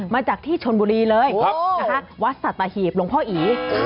มาจากที่ชนบุรีเลยนะคะวัดสัตหีบหลวงพ่ออี